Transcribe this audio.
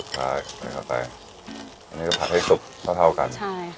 ใช่เอาใส่อันนี้ก็ผัดให้สุกเท่ากัน